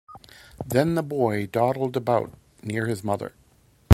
Then the boy dawdled about near his mother.